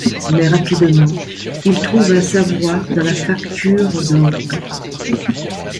Mais rapidement, il trouva sa voie dans la facture d'orgues.